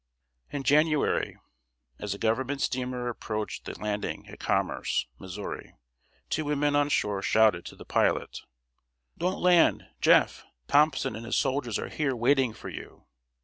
In January, as a Government steamer approached the landing at Commerce, Missouri, two women on shore shouted to the pilot: "Don't land! Jeff. Thompson and his soldiers are here waiting for you."